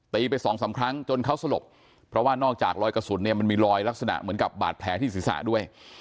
ไปสองสามครั้งจนเขาสลบเพราะว่านอกจากรอยกระสุนเนี่ยมันมีรอยลักษณะเหมือนกับบาดแผลที่ศีรษะด้วย